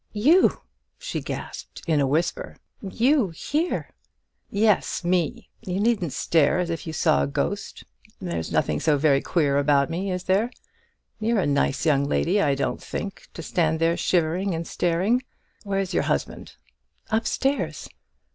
"You!" she gasped, in a whisper; "you here!" "Yes, me! You needn't stare as if you saw a ghost. There's nothing so very queer about me, is there? You're a nice young lady, I don't think, to stand there shivering and staring. Where's your husband?" "Up stairs.